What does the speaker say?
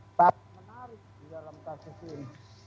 sangat menarik di dalam kasus ini